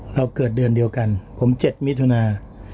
เราเกิดเดือนเดียวกันผม๗มิถุนา